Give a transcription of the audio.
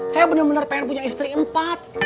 saya bener bener pengen punya istri empat